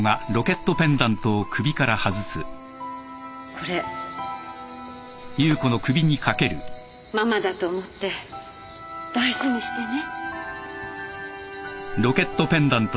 これママだと思って大事にしてね